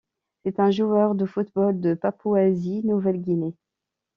C'est un joueur de football de Papouasie-Nouvelle-Guinée.